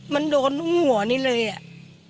มันโดนหัวนี่เลยอ่ะ